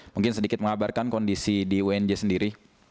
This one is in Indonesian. mungkin sedikit mengabarkan kondisi di unj sendiri